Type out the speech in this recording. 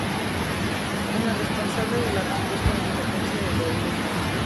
Es la responsable de la respuesta en frecuencia del oído humano.